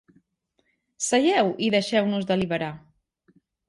Seieu i deixeu-nos deliberar.